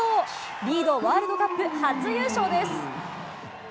リードワールドカップ初優勝です。